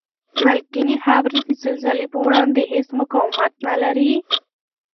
مالګینې خاورې د زلزلې په وړاندې هېڅ مقاومت نلري؟